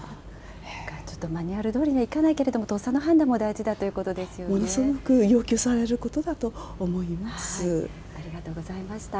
ちょっとマニュアルどおりにはいかないけれども、とっさの判ものすごく要求されることだありがとうございました。